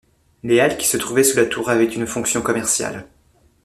Les halles qui se trouvaient sous la tour avaient une fonction commerciale.